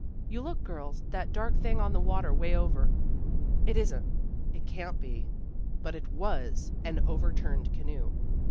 You look, girls, that dark thing on the water way over. It isn't it can't be " But it was an overturned canoe.